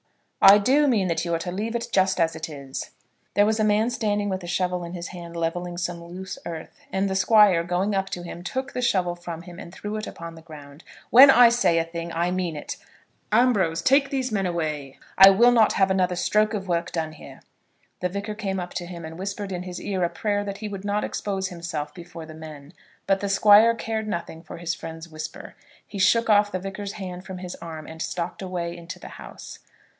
"I do mean that you are to leave it just as it is." There was a man standing with a shovel in his hand levelling some loose earth, and the Squire, going up to him, took the shovel from him and threw it upon the ground. "When I say a thing, I mean it. Ambrose, take these men away. I will not have another stroke of work done here." The Vicar came up to him and whispered into his ear a prayer that he would not expose himself before the men; but the Squire cared nothing for his friend's whisper. He shook off the Vicar's hand from his arm and stalked away into the house.